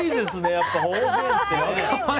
やっぱり方言って。